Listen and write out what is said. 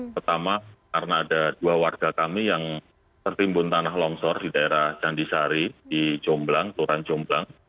pertama karena ada dua warga kami yang tertimbun tanah longsor di daerah candisari di jomblang kelurahan jomblang